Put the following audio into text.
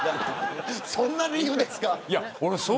そんな理由ですか。